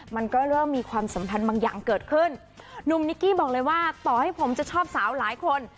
มันก็เริ่มมีความสัมพันธ์บางอย่างเกิดขึ้นหนุ่มนิกกี้บอกเลยว่าต่อให้ผมจะชอบสาวหลายคน